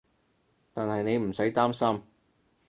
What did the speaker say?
但係你唔使擔心